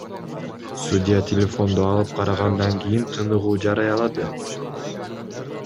Судья телефонду алып, карагандан кийин тыныгуу жарыялады.